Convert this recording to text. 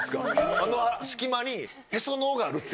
あの隙間にへその緒があるって。